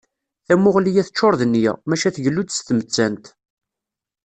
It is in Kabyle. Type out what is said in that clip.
Tamuɣli-a teččur d nniya, maca tgellu-d s tmettant.